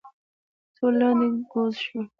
ټول لاندې کوز شول.